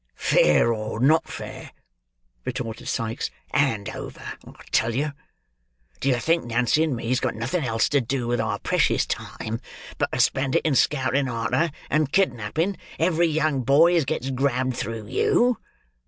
"Fair, or not fair," retorted Sikes, "hand over, I tell you! Do you think Nancy and me has got nothing else to do with our precious time but to spend it in scouting arter, and kidnapping, every young boy as gets grabbed through you?